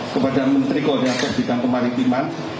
kepada menteri koordinator bidang kemaritiman